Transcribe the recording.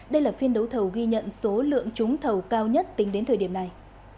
đây là phiên đấu thầu ghi nhận số lượng trúng thầu cao nhất tính đến thời điểm này